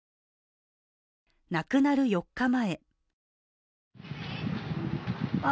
亡くなる４日前